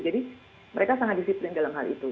mereka sangat disiplin dalam hal itu